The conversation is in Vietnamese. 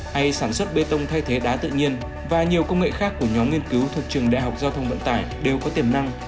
hay sản xuất bê tông thay thế đá tự nhiên và nhiều công nghệ khác của nhóm nghiên cứu thuộc trường đại học giao thông vận tải đều có tiềm năng